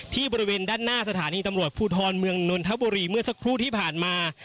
บริเวณด้านหน้าสถานีตำรวจภูทรเมืองนนทบุรีเมื่อสักครู่ที่ผ่านมา